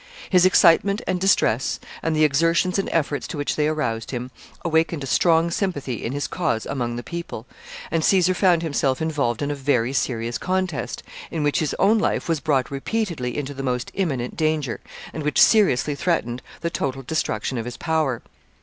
His excitement and distress, and the exertions and efforts to which they aroused him, awakened a strong sympathy in his cause among the people, and Caesar found himself involved in a very serious contest, in which his own life was brought repeatedly into the most imminent danger, and which seriously threatened the total destruction of his power.